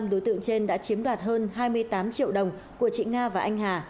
năm đối tượng trên đã chiếm đoạt hơn hai mươi tám triệu đồng của chị nga và anh hà